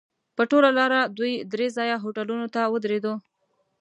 په ټوله لاره دوه درې ځایه هوټلونو ته ودرېدو.